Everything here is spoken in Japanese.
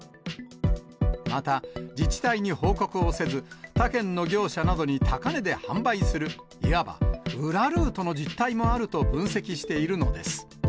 また、自治体に報告をせず、他県の業者などに高値で販売する、いわば裏ルートの実態もあると分析しているのです。